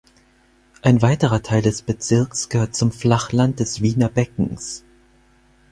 Ein weiterer Teil des Bezirks gehört zum Flachland des Wiener Beckens.